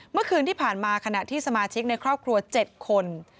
เมื่อคืนที่ผ่านมาขณะที่สมาชิกในครอบครัว๗คน